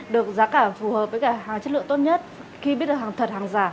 được giá cả phù hợp với cả hàng chất lượng tốt nhất khi biết được hàng thật hàng giả